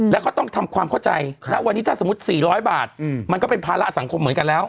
แล้วก็ต้องทำความเข้าใจณวันนี้ถ้าสมมุติ๔๐๐บาทมันก็เป็นภาระสังคมเหมือนกันแล้ว